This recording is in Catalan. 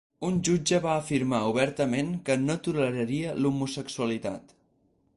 Un jutge va afirmar obertament que "no toleraria l'homosexualitat".